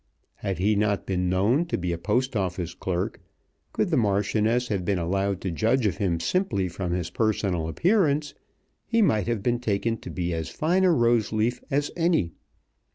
Had he not been known to be a Post Office clerk, could the Marchioness have been allowed to judge of him simply from his personal appearance, he might have been taken to be as fine a rose leaf as any.